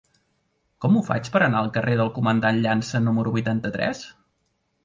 Com ho faig per anar al carrer del Comandant Llança número vuitanta-tres?